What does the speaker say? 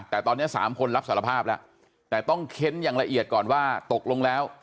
แต่ตอนนี้สามคนรับสารภาพแล้วแต่ต้องเค้นอย่างละเอียดก่อนว่าตกลงแล้ว